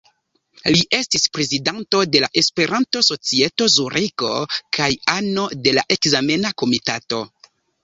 Li estis prezidanto de la Esperanto-Societo Zuriko kaj ano de la ekzamena komitato.